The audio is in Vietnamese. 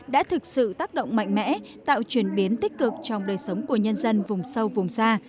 đã thực sự tác động mạnh mẽ tạo chuyển biến tích cực trong đời sống của nhân dân vùng sâu vùng xa